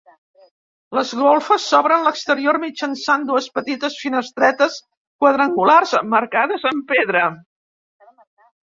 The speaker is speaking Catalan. Les golfes s'obren a l'exterior mitjançant dues petites finestretes quadrangulars emmarcades amb pedra.